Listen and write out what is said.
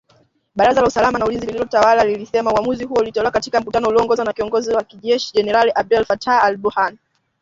Baraza la usalama na ulinzi linalotawala limesema uamuzi huo ulitolewa katika mkutano ulioongozwa na kiongozi wa kijeshi , Jenerali Abdel Fattah al Burhan